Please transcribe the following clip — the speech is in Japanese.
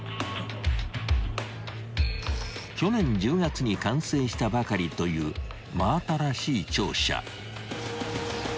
［去年１０月に完成したばかりという真新しい庁舎］